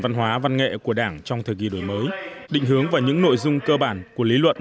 văn hóa văn nghệ của đảng trong thời kỳ đổi mới định hướng vào những nội dung cơ bản của lý luận